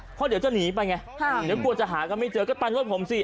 เพราะเดี๋ยวจะหนีไปไงเดี๋ยวกลัวจะหาก็ไม่เจอก็ไปรถผมสิ